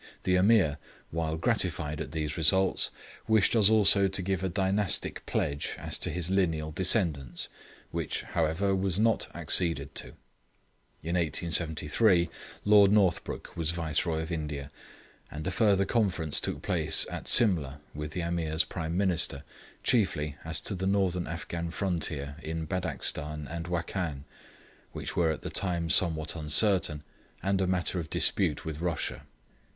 The Ameer, while gratified at these results, wished us also to give a dynastic pledge as to his lineal descendants, which, however, was not acceded to. In 1873 Lord Northbrook was Viceroy of India, and a further conference took place at Simla with the Ameer's Prime Minister, chiefly as to the northern Afghan frontier in Badakshan and Wakkan, which were at the time somewhat uncertain, and a matter of dispute with Russia.